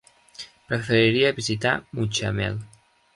Preferiria visitar Mutxamel.